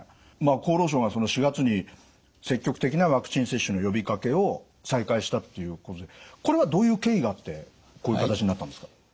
厚労省が４月に積極的なワクチン接種の呼びかけを再開したっていうことでこれはどういう経緯があってこういう形になったんですか？